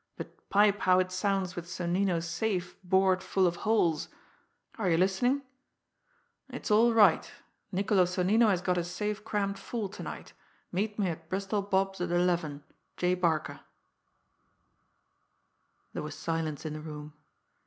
But pipe how it sounds with Sonnino's safe bored full of holes. Are you listening? 'It's all right. Niccolo Sonnino has got his safe crammed full to night. Meet me at Bristol Bob's at eleven. J. Barca.'" There was silence in the room.